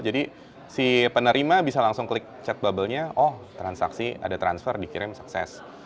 jadi si penerima bisa langsung klik chat bubble nya oh transaksi ada transfer dikirim sukses